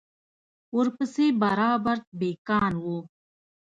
ورپسې به رابرټ بېکان و.